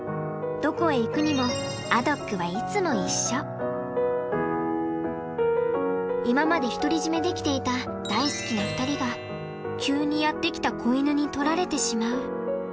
どこへ行くにも今まで独り占めできていた大好きな２人が急にやって来た子犬に取られてしまう。